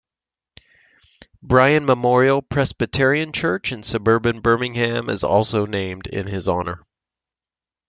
Bryan Memorial Presbyterian church in suburban Birmingham is also named in his honor.